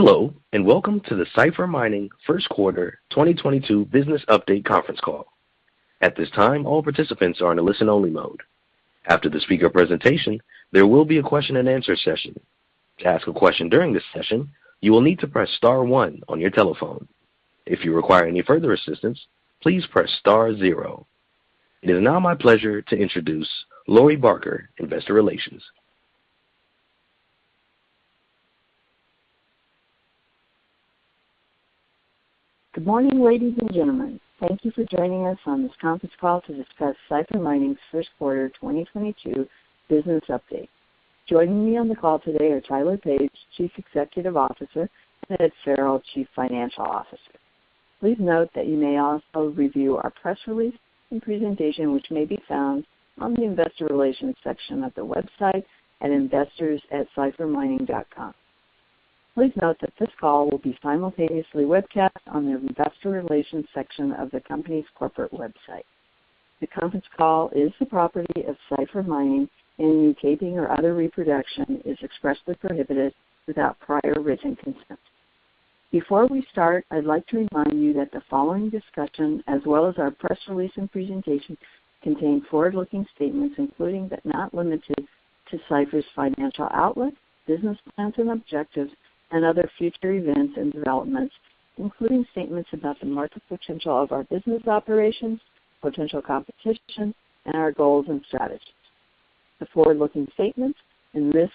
Hello, and welcome to the Cipher Mining First Quarter 2022 Business Update Conference Call. At this time, all participants are in a listen-only mode. After the speaker presentation, there will be a question-and-answer session. To ask a question during this session, you will need to press star one on your telephone. If you require any further assistance, please press star zero. It is now my pleasure to introduce Lori Barker, Investor Relations. Good morning, ladies and gentlemen. Thank you for joining us on this conference call to discuss Cipher Mining's first quarter 2022 business update. Joining me on the call today are Tyler Page, Chief Executive Officer, and Ed Farrell, Chief Financial Officer. Please note that you may also review our press release and presentation, which may be found on the investor relations section of the website at investors@ciphermining.com. Please note that this call will be simultaneously webcast on the investor relations section of the company's corporate website. The conference call is the property of Cipher Mining, and any taping or other reproduction is expressly prohibited without prior written consent. Before we start, I'd like to remind you that the following discussion, as well as our press release and presentation, contain forward-looking statements, including, but not limited to, Cipher's financial outlook, business plans and objectives, and other future events and developments, including statements about the market potential of our business operations, potential competition, and our goals and strategies. The forward-looking statements in this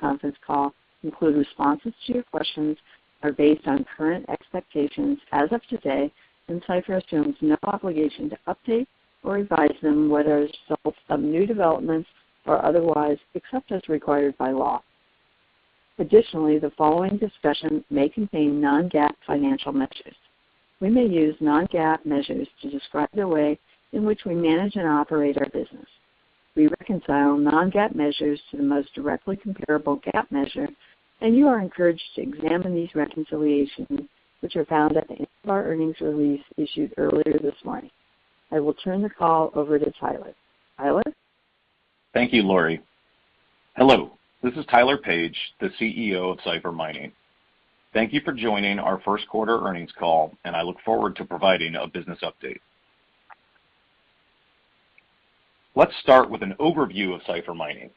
conference call include responses to your questions are based on current expectations as of today, and Cipher assumes no obligation to update or revise them whether as a result of new developments or otherwise, except as required by law. Additionally, the following discussion may contain non-GAAP financial measures. We may use non-GAAP measures to describe the way in which we manage and operate our business. We reconcile non-GAAP measures to the most directly comparable GAAP measure, and you are encouraged to examine these reconciliations, which are found at the end of our earnings release issued earlier this morning. I will turn the call over to Tyler. Tyler? Thank you, Lori. Hello, this is Tyler Page, the CEO of Cipher Mining. Thank you for joining our first quarter earnings call, and I look forward to providing a business update. Let's start with an overview of Cipher Mining.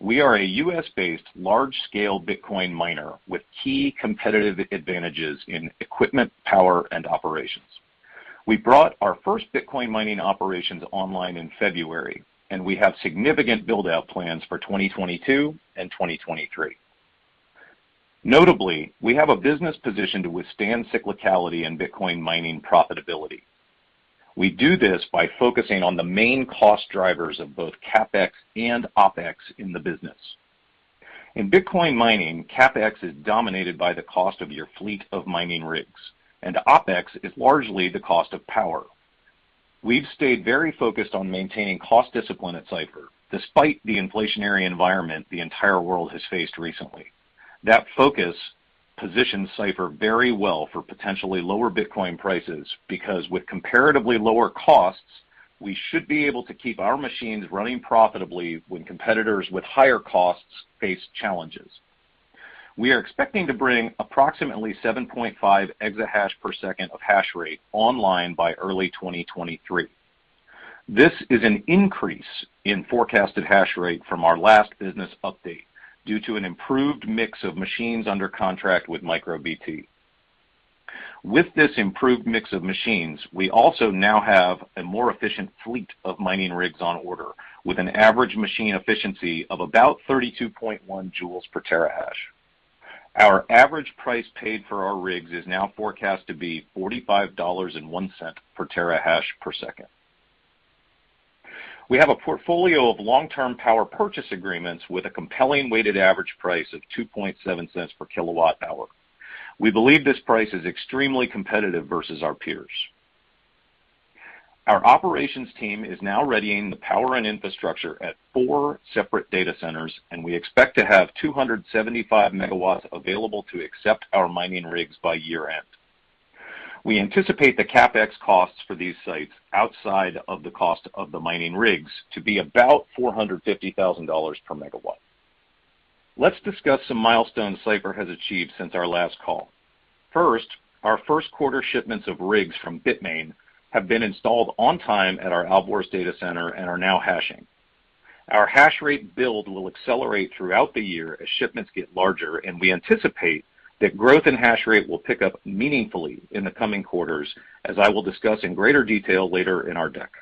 We are a U.S.-based large-scale Bitcoin miner with key competitive advantages in equipment, power, and operations. We brought our first Bitcoin mining operations online in February, and we have significant build-out plans for 2022 and 2023. Notably, we have a business position to withstand cyclicality in Bitcoin mining profitability. We do this by focusing on the main cost drivers of both CapEx and OpEx in the business. In Bitcoin mining, CapEx is dominated by the cost of your fleet of mining rigs, and OpEx is largely the cost of power. We've stayed very focused on maintaining cost discipline at Cipher despite the inflationary environment the entire world has faced recently. That focus positions Cipher very well for potentially lower Bitcoin prices because with comparatively lower costs, we should be able to keep our machines running profitably when competitors with higher costs face challenges. We are expecting to bring approximately 7.5 EH/s of hash rate online by early 2023. This is an increase in forecasted hash rate from our last business update due to an improved mix of machines under contract with MicroBT. With this improved mix of machines, we also now have a more efficient fleet of mining rigs on order with an average machine efficiency of about 32.1 J/TH. Our average price paid for our rigs is now forecast to be $45.01 per TH/s. We have a portfolio of long-term power purchase agreements with a compelling weighted average price of $0.027/kWh. We believe this price is extremely competitive versus our peers. Our operations team is now readying the power and infrastructure at four separate data centers, and we expect to have 275 MW available to accept our mining rigs by year-end. We anticipate the CapEx costs for these sites outside of the cost of the mining rigs to be about $450,000/MW. Let's discuss some milestones Cipher has achieved since our last call. First, our first quarter shipments of rigs from Bitmain have been installed on time at our Alborz data center and are now hashing. Our hash rate build will accelerate throughout the year as shipments get larger, and we anticipate that growth in hash rate will pick up meaningfully in the coming quarters, as I will discuss in greater detail later in our deck.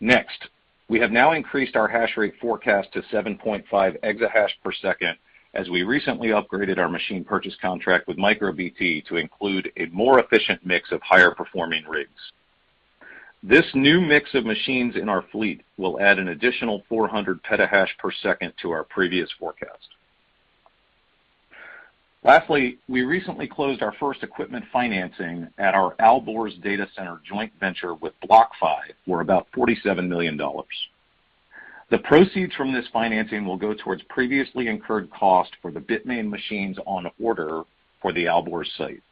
Next, we have now increased our hash rate forecast to 7.5 EH/s as we recently upgraded our machine purchase contract with MicroBT to include a more efficient mix of higher-performing rigs. This new mix of machines in our fleet will add an additional 400 PH/s to our previous forecast. Lastly, we recently closed our first equipment financing at our Alborz data center joint venture with BlockFi for about $47 million. The proceeds from this financing will go towards previously incurred costs for the Bitmain machines on order for the Alborz site.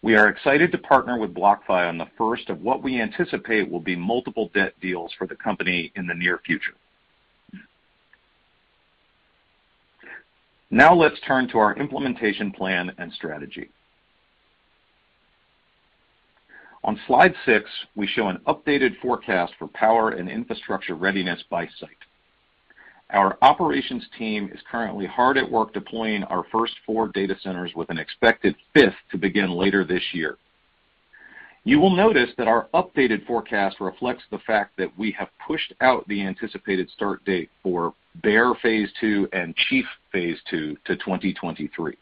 We are excited to partner with BlockFi on the first of what we anticipate will be multiple debt deals for the company in the near future. Now let's turn to our implementation plan and strategy. On slide six, we show an updated forecast for power and infrastructure readiness by site. Our operations team is currently hard at work deploying our first four data centers with an expected fifth to begin later this year. You will notice that our updated forecast reflects the fact that we have pushed out the anticipated start date for Bear phase two and Chief phase two to 2023.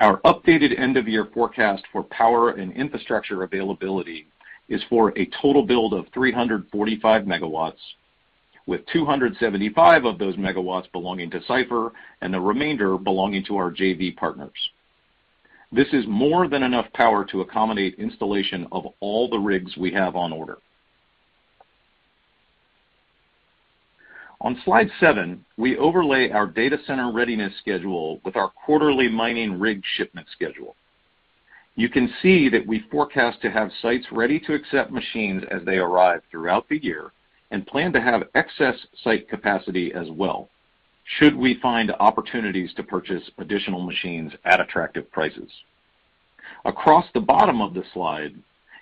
Our updated end of year forecast for power and infrastructure availability is for a total build of 345 MW, with 275 of those megawatt belonging to Cipher and the remainder belonging to our JV partners. This is more than enough power to accommodate installation of all the rigs we have on order. On slide seven, we overlay our data center readiness schedule with our quarterly mining rig shipment schedule. You can see that we forecast to have sites ready to accept machines as they arrive throughout the year and plan to have excess site capacity as well should we find opportunities to purchase additional machines at attractive prices. Across the bottom of the slide,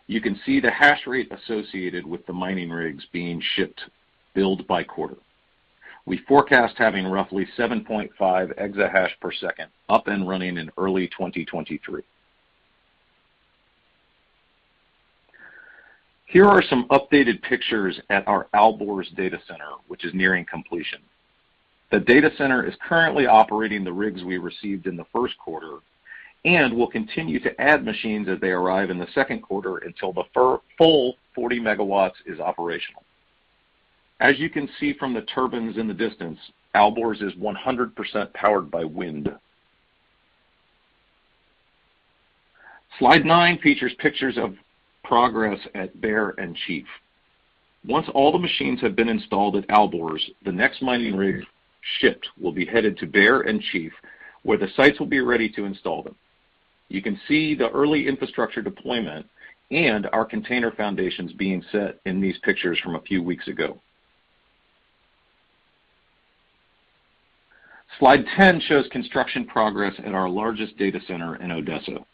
you can see the hash rate associated with the mining rigs being shipped built by quarter. We forecast having roughly 7.5 EH/s up and running in early 2023. Here are some updated pictures at our Alborz data center, which is nearing completion. The data center is currently operating the rigs we received in the first quarter and will continue to add machines as they arrive in the second quarter until the full 40 MW is operational. As you can see from the turbines in the distance, Alborz is 100% powered by wind. Slide nine features pictures of progress at Bear and Chief. Once all the machines have been installed at Alborz, the next mining rig shipped will be headed to Bear and Chief, where the sites will be ready to install them. You can see the early infrastructure deployment and our container foundations being set in these pictures from a few weeks ago. Slide 10 shows construction progress at our largest data center in Odessa.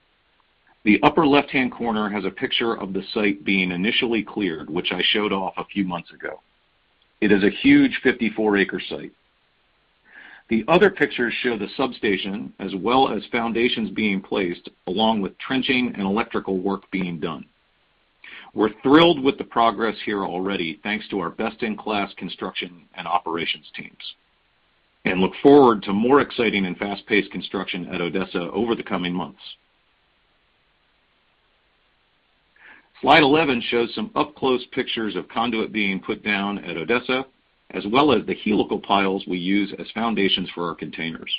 The upper left-hand corner has a picture of the site being initially cleared, which I showed off a few months ago. It is a huge 54-acre site. The other pictures show the substation as well as foundations being placed, along with trenching and electrical work being done. We're thrilled with the progress here already, thanks to our best-in-class construction and operations teams, and look forward to more exciting and fast-paced construction at Odessa over the coming months. Slide 11 shows some up-close pictures of conduit being put down at Odessa, as well as the helical piles we use as foundations for our containers.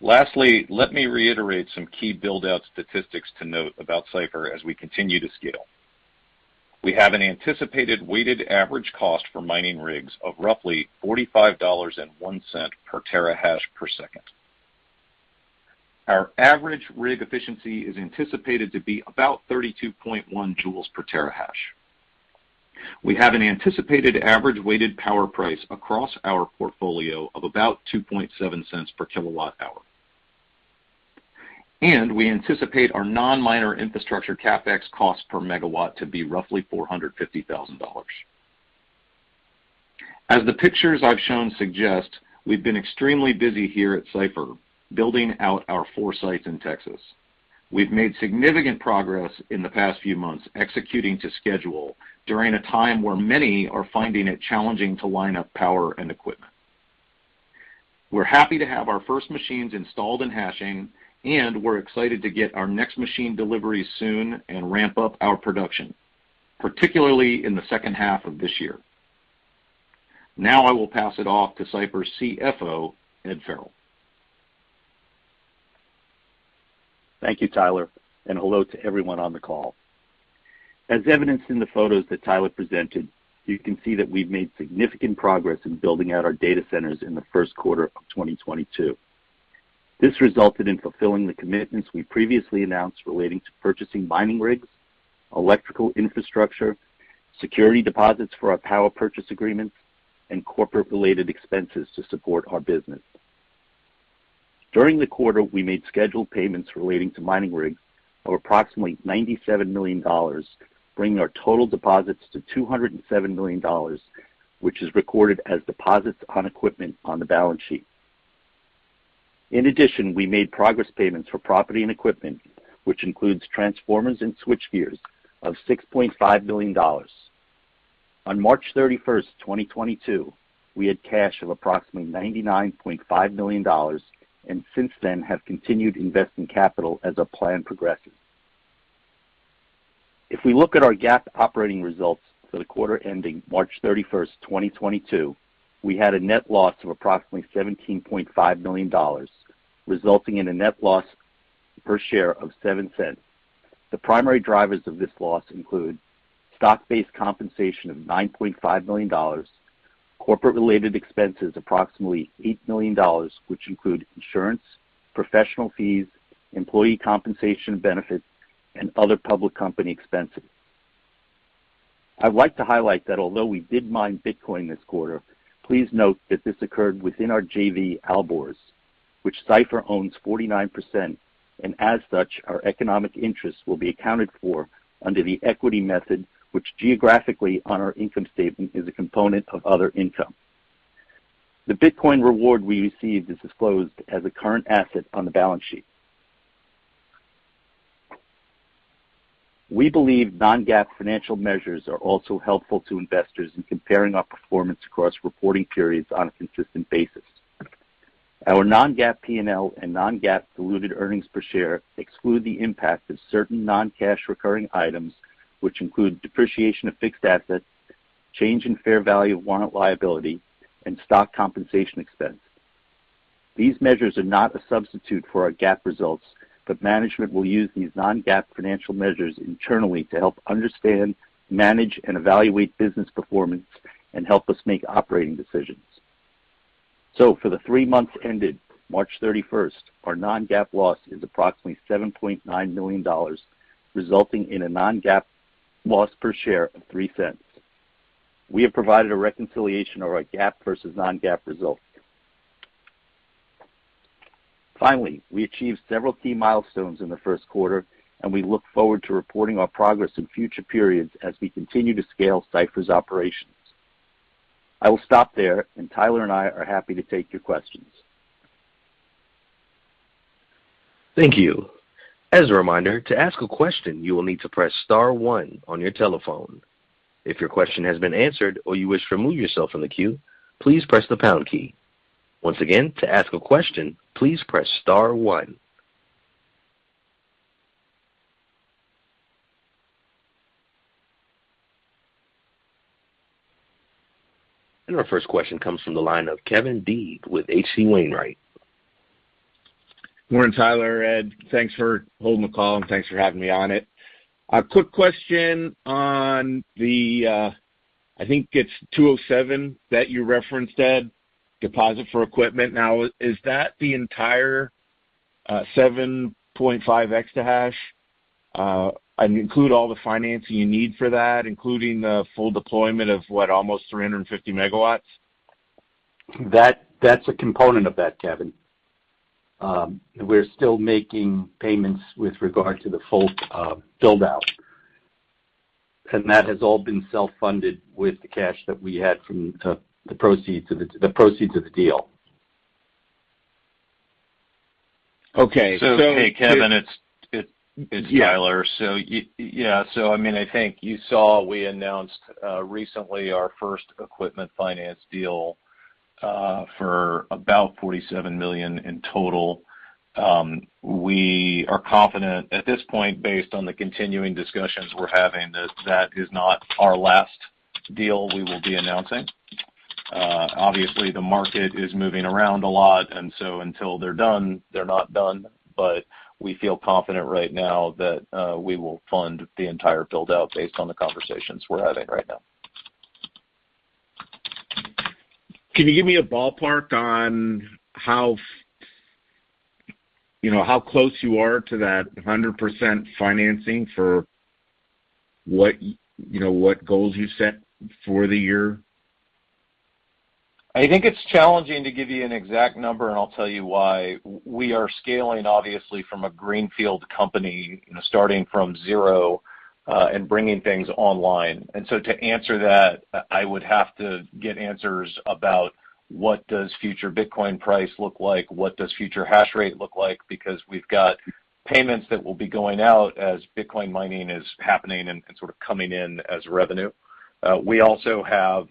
Lastly, let me reiterate some key build-out statistics to note about Cipher as we continue to scale. We have an anticipated weighted average cost for mining rigs of roughly $45.01 per TH/s. Our average rig efficiency is anticipated to be about 32.1 J/TH. We have an anticipated average weighted power price across our portfolio of about $0.027 per kWh. We anticipate our non-miner infrastructure CapEx cost per megawatt to be roughly $450,000. As the pictures I've shown suggest, we've been extremely busy here at Cipher building out our four sites in Texas. We've made significant progress in the past few months executing to schedule during a time where many are finding it challenging to line up power and equipment. We're happy to have our first machines installed and hashing, and we're excited to get our next machine delivery soon and ramp up our production, particularly in the second half of this year. Now I will pass it off to Cipher's CFO, Ed Farrell. Thank you, Tyler, and hello to everyone on the call. As evidenced in the photos that Tyler presented, you can see that we've made significant progress in building out our data centers in the first quarter of 2022. This resulted in fulfilling the commitments we previously announced relating to purchasing mining rigs, electrical infrastructure, security deposits for our power purchase agreements, and corporate-related expenses to support our business. During the quarter, we made scheduled payments relating to mining rigs of approximately $97 million, bringing our total deposits to $207 million, which is recorded as deposits on equipment on the balance sheet. In addition, we made progress payments for property and equipment, which includes transformers and switch gears, of $6.5 million. On March 31, 2022, we had cash of approximately $99.5 million, and since then have continued investing capital as our plan progresses. If we look at our GAAP operating results for the quarter ending March 31st, 2022, we had a net loss of approximately $17.5 million, resulting in a net loss per share of $0.07. The primary drivers of this loss include stock-based compensation of $9.5 million. Corporate-related expenses approximately $8 million, which include insurance, professional fees, employee compensation benefits, and other public company expenses. I'd like to highlight that although we did mine Bitcoin this quarter, please note that this occurred within our JV Alborz, which Cipher owns 49%, and as such, our economic interests will be accounted for under the equity method, which geographically on our income statement is a component of other income. The Bitcoin reward we received is disclosed as a current asset on the balance sheet. We believe non-GAAP financial measures are also helpful to investors in comparing our performance across reporting periods on a consistent basis. Our non-GAAP P&L and non-GAAP diluted earnings per share exclude the impact of certain non-cash recurring items, which include depreciation of fixed assets, change in fair value of warrant liability, and stock compensation expense. These measures are not a substitute for our GAAP results, but management will use these non-GAAP financial measures internally to help understand, manage, and evaluate business performance and help us make operating decisions. For the three months ended March 31st, our non-GAAP loss is approximately $7.9 million, resulting in a non-GAAP loss per share of $0.03. We have provided a reconciliation of our GAAP versus non-GAAP results. Finally, we achieved several key milestones in the first quarter, and we look forward to reporting our progress in future periods as we continue to scale Cipher's operations. I will stop there, and Tyler and I are happy to take your questions. Thank you. As a reminder, to ask a question, you will need to press star one on your telephone. If your question has been answered or you wish to remove yourself from the queue, please press the pound key. Once again, to ask a question, please press star one. Our first question comes from the line of Kevin Dede with H.C. Wainwright. Morning, Tyler, Ed. Thanks for holding the call, and thanks for having me on it. A quick question on the I think it's $207 that you referenced, Ed, deposit for equipment. Now, is that the entire 7.5 EH/s? Include all the financing you need for that, including the full deployment of what, almost 350 MW? That's a component of that, Kevin. We're still making payments with regard to the full build-out. That has all been self-funded with the cash that we had from the proceeds of the deal. Okay. Hey, Kevin, it's Tyler. Yeah. Yeah. I mean, I think you saw we announced recently our first equipment finance deal for about $47 million in total. We are confident at this point, based on the continuing discussions we're having, that that is not our last deal we will be announcing. Obviously the market is moving around a lot, and so until they're done, they're not done. We feel confident right now that we will fund the entire build-out based on the conversations we're having right now. Can you give me a ballpark on how you know, how close you are to that 100% financing for what you know, what goals you've set for the year? I think it's challenging to give you an exact number, and I'll tell you why. We are scaling obviously from a greenfield company, you know, starting from 0, and bringing things online. To answer that, I would have to get answers about what does future Bitcoin price look like, what does future hash rate look like? Because we've got payments that will be going out as Bitcoin mining is happening and sort of coming in as revenue. We also have,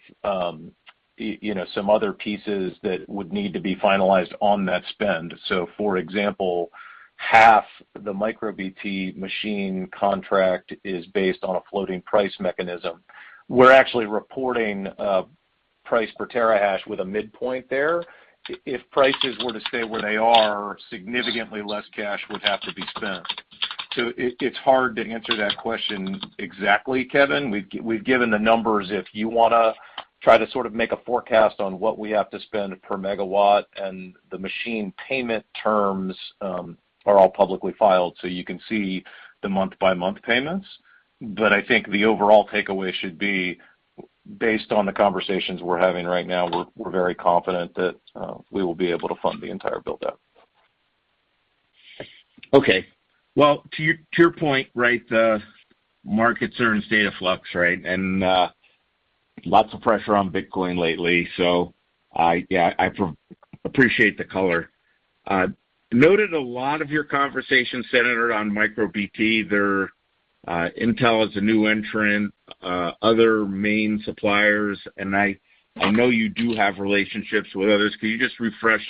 you know, some other pieces that would need to be finalized on that spend. For example, half the MicroBT machine contract is based on a floating price mechanism. We're actually reporting price per terahash with a midpoint there. If prices were to stay where they are, significantly less cash would have to be spent. It's hard to answer that question exactly, Kevin. We've given the numbers. If you wanna try to sort of make a forecast on what we have to spend per megawatt and the machine payment terms are all publicly filed, so you can see the month-by-month payments. I think the overall takeaway should be, based on the conversations we're having right now, we're very confident that we will be able to fund the entire build-out. Well, to your point, right, the market serves data flux, right? Lots of pressure on Bitcoin lately, so I appreciate the color. Noted a lot of your conversations centered on MicroBT. There, Intel is a new entrant, other main suppliers, and I know you do have relationships with others. Can you just refresh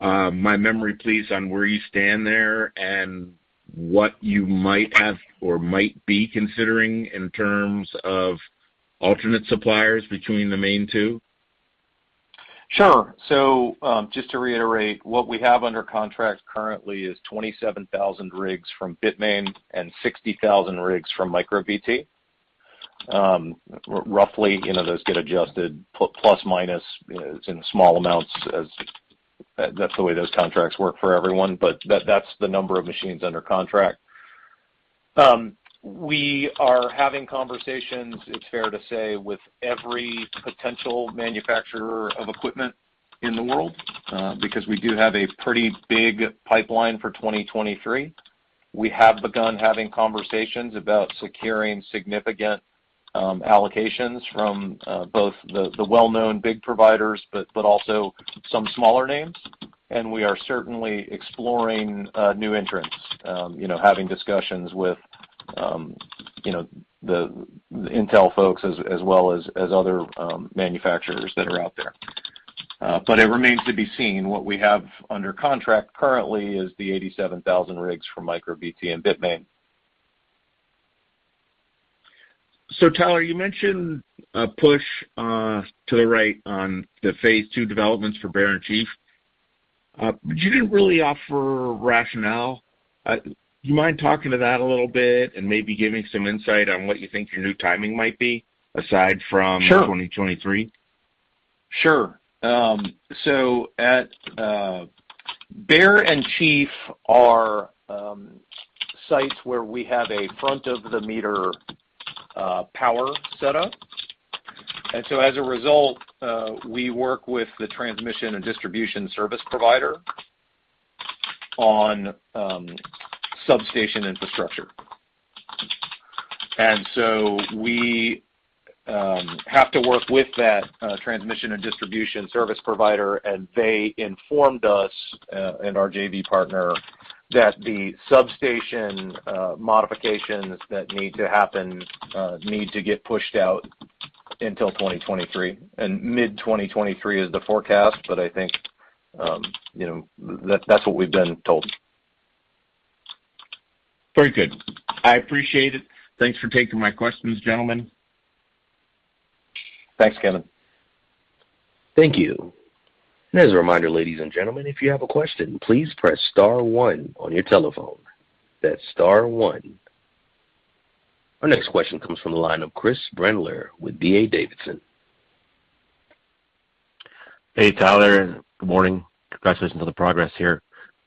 my memory, please, on where you stand there and what you might have or might be considering in terms of alternate suppliers between the main two? Sure. Just to reiterate, what we have under contract currently is 27,000 rigs from Bitmain and 60,000 rigs from MicroBT. Roughly, you know, those get adjusted plus, minus in small amounts as that's the way those contracts work for everyone. That's the number of machines under contract. We are having conversations, it's fair to say, with every potential manufacturer of equipment in the world, because we do have a pretty big pipeline for 2023. We have begun having conversations about securing significant allocations from both the well-known big providers, but also some smaller names. We are certainly exploring new entrants, you know, having discussions with the Intel folks as well as other manufacturers that are out there. It remains to be seen. What we have under contract currently is the 87,000 rigs from MicroBT and Bitmain. Tyler, you mentioned a push to the right on the phase two developments for Bear and Alborz. You didn't really offer rationale. You mind talking to that a little bit and maybe giving some insight on what you think your new timing might be, aside from. Sure 2023? Sure. At Bear and Alborz are sites where we have a front of the meter power setup. As a result, we work with the transmission and distribution service provider on substation infrastructure. We have to work with that transmission and distribution service provider, and they informed us and our JV partner that the substation modifications that need to happen need to get pushed out until 2023. Mid-2023 is the forecast, but I think, you know, that's what we've been told. Very good. I appreciate it. Thanks for taking my questions, gentlemen. Thanks, Kevin Dede. Thank you. As a reminder, ladies and gentlemen, if you have a question, please press star one on your telephone. That's star one. Our next question comes from the line of Chris Brendler with D.A. Davidson. Hey, Tyler. Good morning. Congratulations on the progress here.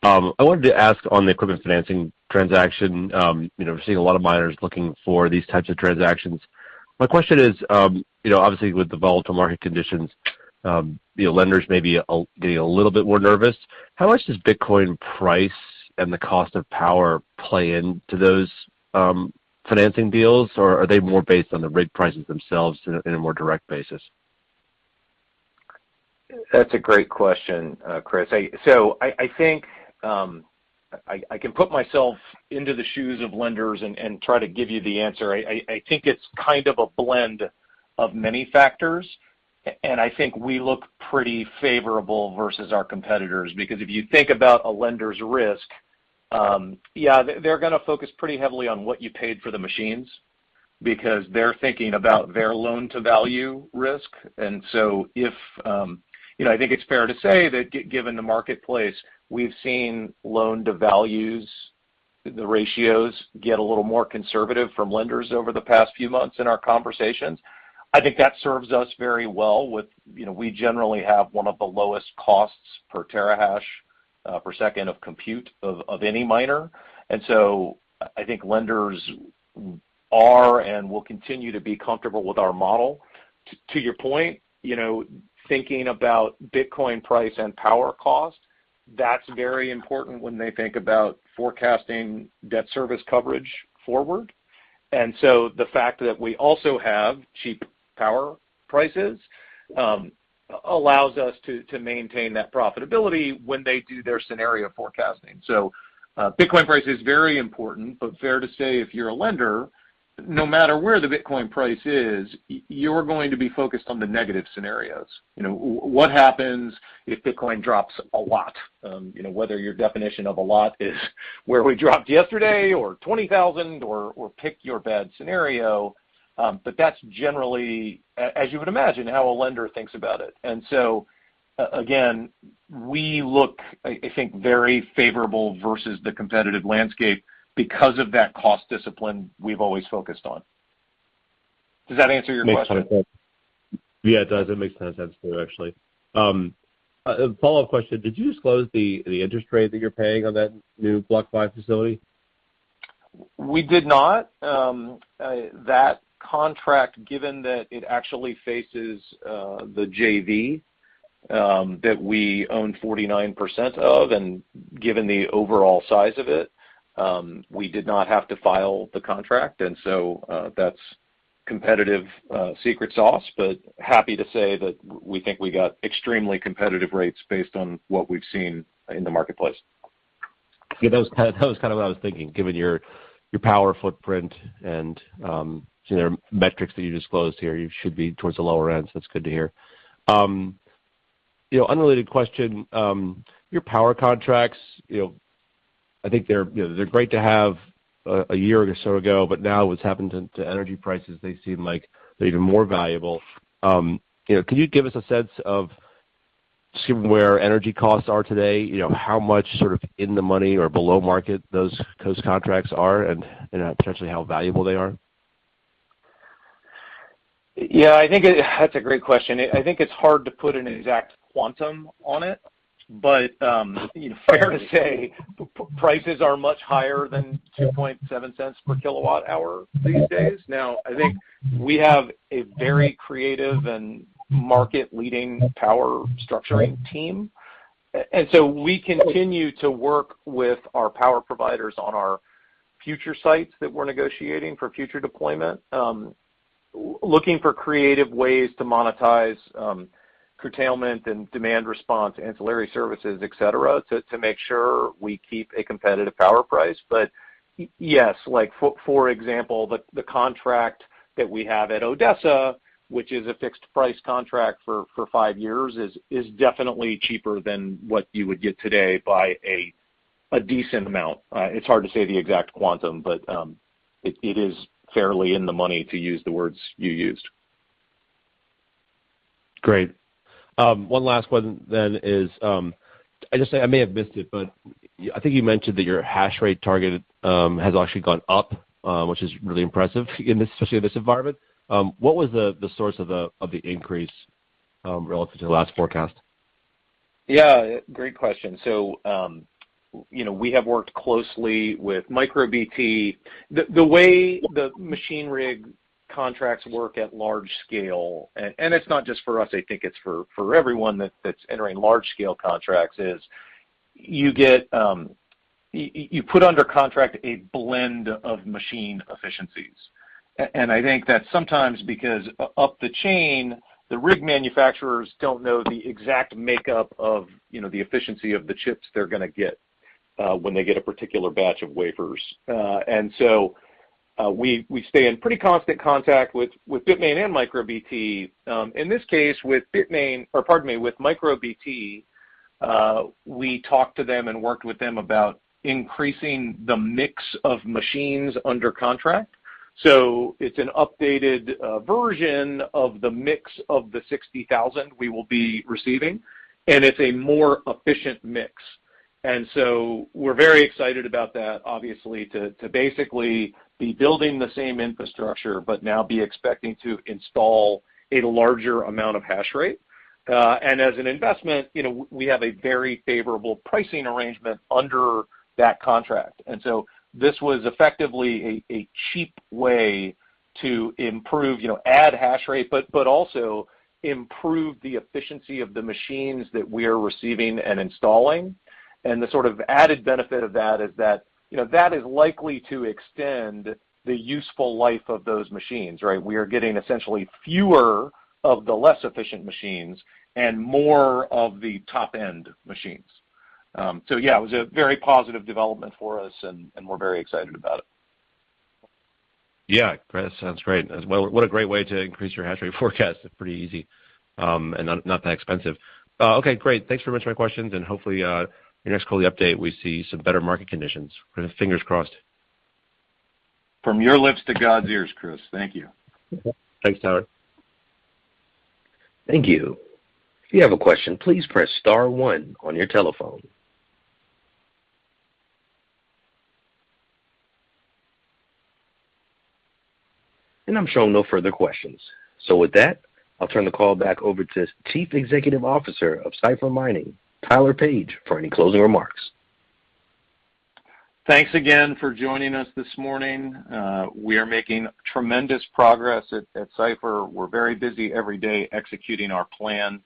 I wanted to ask on the equipment financing transaction, you know, we're seeing a lot of miners looking for these types of transactions. My question is, you know, obviously with the volatile market conditions, you know, lenders may be getting a little bit more nervous. How much does Bitcoin price and the cost of power play into those financing deals, or are they more based on the rig prices themselves in a more direct basis? That's a great question, Chris. I think I can put myself into the shoes of lenders and try to give you the answer. I think it's kind of a blend of many factors, and I think we look pretty favorable versus our competitors because if you think about a lender's risk, yeah, they're gonna focus pretty heavily on what you paid for the machines because they're thinking about their loan-to-value risk. If you know, I think it's fair to say that given the marketplace, we've seen loan-to-value ratios get a little more conservative from lenders over the past few months in our conversations. I think that serves us very well with you know, we generally have one of the lowest costs per terahash per second of compute of any miner. I think lenders are and will continue to be comfortable with our model. To your point, you know, thinking about Bitcoin price and power cost, that's very important when they think about forecasting debt service coverage forward. The fact that we also have cheap power prices allows us to maintain that profitability when they do their scenario forecasting. Bitcoin price is very important, but fair to say, if you're a lender, no matter where the Bitcoin price is, you're going to be focused on the negative scenarios. You know, what happens if Bitcoin drops a lot? You know, whether your definition of a lot is where we dropped yesterday or 20,000 or pick your bad scenario. But that's generally, as you would imagine, how a lender thinks about it. Again, we look, I think, very favorable versus the competitive landscape because of that cost discipline we've always focused on. Does that answer your question? Makes sense. Yeah, it does. It makes a ton of sense too, actually. A follow-up question. Did you disclose the interest rate that you're paying on that new BlockFi facility? We did not. That contract, given that it actually faces the JV that we own 49% of and given the overall size of it, we did not have to file the contract, and so that's competitive secret sauce. Happy to say that we think we got extremely competitive rates based on what we've seen in the marketplace. Yeah, that was kinda what I was thinking, given your power footprint and, you know, metrics that you disclosed here, you should be towards the lower end, so it's good to hear. You know, unrelated question, your power contracts, you know, I think they're, you know, they're great to have a year or so ago, but now what's happened to energy prices, they seem like they're even more valuable. You know, can you give us a sense of seeing where energy costs are today? You know, how much sort of in the money or below market those contracts are and potentially how valuable they are? Yeah, I think that's a great question. I think it's hard to put an exact quantum on it, but, you know, fair to say prices are much higher than $0.027 per kWh these days. Now, I think we have a very creative and market-leading power structuring team. And so we continue to work with our power providers on our future sites that we're negotiating for future deployment, looking for creative ways to monetize, curtailment and demand response, ancillary services, et cetera, to make sure we keep a competitive power price. Yes, like for example, the contract that we have at Odessa, which is a fixed price contract for five years, is definitely cheaper than what you would get today by a decent amount. It's hard to say the exact quantum, but it is fairly in the money to use the words you used. Great. One last one then is, I may have missed it, but I think you mentioned that your hash rate target has actually gone up, which is really impressive in this, especially in this environment. What was the source of the increase relative to the last forecast? Yeah, great question. You know, we have worked closely with MicroBT. The way the machine rig contracts work at large scale, and it's not just for us, I think it's for everyone that's entering large scale contracts, is you put under contract a blend of machine efficiencies. I think that sometimes because of the chain, the rig manufacturers don't know the exact makeup of, you know, the efficiency of the chips they're gonna get, when they get a particular batch of wafers. We stay in pretty constant contact with Bitmain and MicroBT. In this case, with Bitmain or pardon me, with MicroBT, we talked to them and worked with them about increasing the mix of machines under contract. It's an updated version of the mix of the 60,000 we will be receiving, and it's a more efficient mix. We're very excited about that, obviously, to basically be building the same infrastructure but now be expecting to install a larger amount of hash rate. As an investment, you know, we have a very favorable pricing arrangement under that contract. This was effectively a cheap way to improve, you know, add hash rate, but also improve the efficiency of the machines that we are receiving and installing. The sort of added benefit of that is that, you know, that is likely to extend the useful life of those machines, right? We are getting essentially fewer of the less efficient machines and more of the top-end machines. Yeah, it was a very positive development for us, and we're very excited about it. Yeah, great. Sounds great as well. What a great way to increase your hash rate forecast. Pretty easy, and not that expensive. Okay, great. Thanks very much for my questions, and hopefully your next quarterly update, we see some better market conditions. Kind of fingers crossed. From your lips to God's ears, Chris. Thank you. Thanks, Tyler. Thank you. If you have a question, please press star one on your telephone. I'm shown no further questions. With that, I'll turn the call back over to Chief Executive Officer of Cipher Mining, Tyler Page, for any closing remarks. Thanks again for joining us this morning. We are making tremendous progress at Cipher. We're very busy every day executing our plan.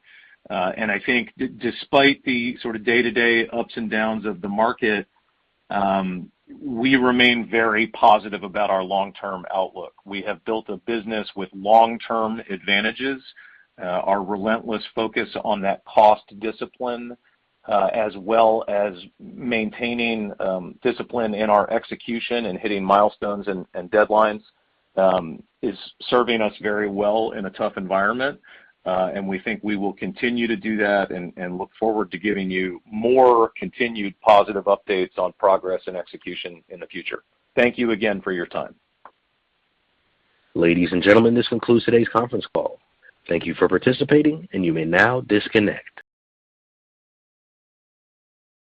I think despite the sort of day-to-day ups and downs of the market, we remain very positive about our long-term outlook. We have built a business with long-term advantages. Our relentless focus on that cost discipline, as well as maintaining discipline in our execution and hitting milestones and deadlines, is serving us very well in a tough environment. We think we will continue to do that and look forward to giving you more continued positive updates on progress and execution in the future. Thank you again for your time. Ladies and gentlemen, this concludes today's conference call. Thank you for participating, and you may now disconnect.